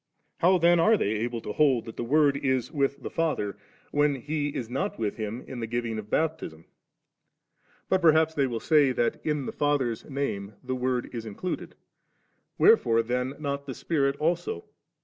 How then are they able to hold that the Word is with the Father, when He is not with Him in the giving of Baptism ? But perhaps they will say, that in the Father's Name the Word is included? Wherefore then not the Spirit also